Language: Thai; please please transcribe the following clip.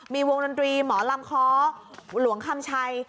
มีวงดนตรีหมอลำค้อหลวงคำชัย